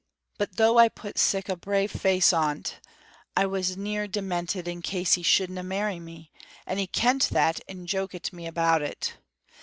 "But though I put sic a brave face on't, I was near demented in case he shouldna marry me, and he kent that and jokit me about it.